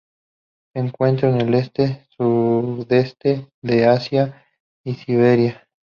Se encuentra al Este, Sudeste de Asia y Siberia.